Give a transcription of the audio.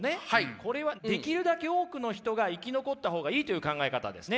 これはできるだけ多くの人が生き残った方がいいという考え方ですね。